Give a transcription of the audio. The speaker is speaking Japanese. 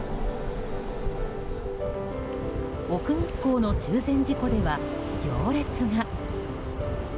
奥日光の中禅寺湖では行列が。